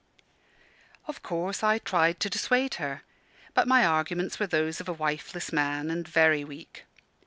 Of course I tried to dissuade her, but my arguments were those of a wifeless man, and very weak.